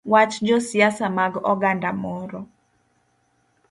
Wach josiasa mag oganda moro